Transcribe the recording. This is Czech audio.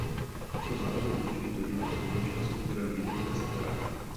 Osu západního průčelí uzavírá zvonička s motivem jednoduché slepé arkády.